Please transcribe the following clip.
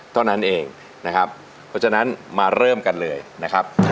เท่านั้นเองนะครับเพราะฉะนั้นมาเริ่มกันเลยนะครับ